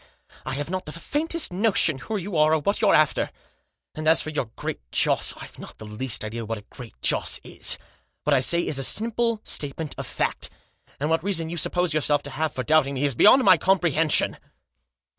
I have not the faintest notion who you are, or what you're after ; and as for your Great Joss, I've not the least idea what a Great Joss is. What I say is a simple statement of fact ; and what reason you suppose yourself to have for doubting me is beyond my com prehension."